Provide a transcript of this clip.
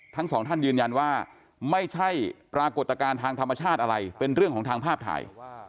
ทั้งสองท่านยืนยันว่าไม่ใช่ปรากฏการณ์ทางธรรมชาติอะไรเป็นเรื่องของทางภาพถ่าย